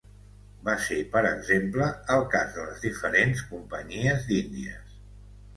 Va ser, per exemple, el cas de les diferents Companyies d'Índies.